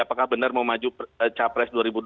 apakah benar mau maju capres dua ribu dua puluh